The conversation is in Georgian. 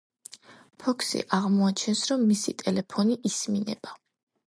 ფოქსი აღმოაჩენს, რომ მისი ტელეფონი ისმინება.